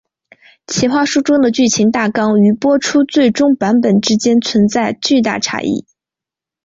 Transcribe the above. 企划书中的剧情大纲与播出的最终版本之间存在巨大差异。